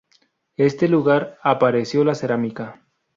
Este lugar apareció la cerámica.